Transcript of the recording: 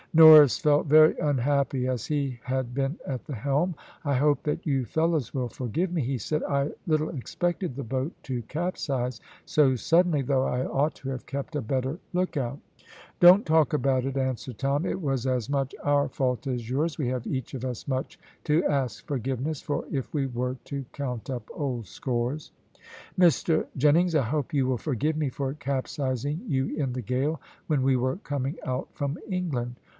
Norris felt very unhappy, as he had been at the helm. "I hope that you fellows will forgive me," he said. "I little expected the boat to capsize so suddenly, though I ought to have kept a better look out." "Don't talk about it," answered Tom. "It was as much our fault as yours. We have each of us much to ask forgiveness for if we were to count up old scores." "Mr Jennings, I hope you will forgive me for capsizing you in the gale when we were coming out from England."